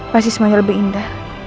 pasti semuanya lebih indah